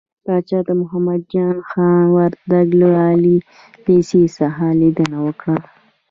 پاچا د محمد جان خان وردک له عالي لېسې څخه ليدنه وکړه .